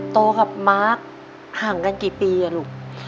โตครับม้าห่างกันกี่ปีลูก